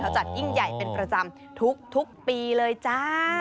จัดยิ่งใหญ่เป็นประจำทุกปีเลยจ้า